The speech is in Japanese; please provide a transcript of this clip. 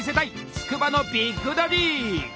つくばのビッグ・ダディ！